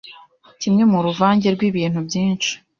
kimwe mu ruvange rw’ibintu byinshi